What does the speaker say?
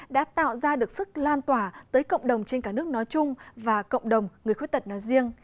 đã tạo ra được sức lan tỏa tới cộng đồng trên cả nước nói chung và cộng đồng người khuyết tật nói riêng